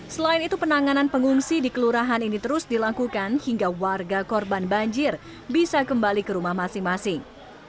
selain itu penanganan pengungsi di kelurahan ini terus dilakukan hingga warga korban banjir bisa kembali ke rumah masing masing